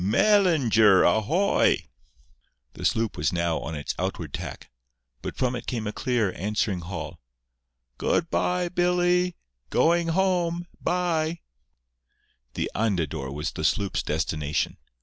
"Mel lin ger a hoy!" The sloop was now on its outward tack; but from it came a clear, answering hail: "Good bye, Billy … go ing home—bye!" The Andador was the sloop's destination.